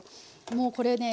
もうこれね